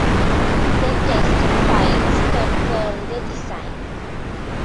The test flights confirmed the design.